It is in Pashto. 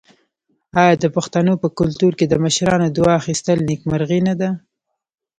آیا د پښتنو په کلتور کې د مشرانو دعا اخیستل نیکمرغي نه ده؟